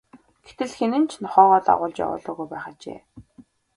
Гэтэл хэн нь ч нохойгоо дагуулж явуулаагүй байх ажээ.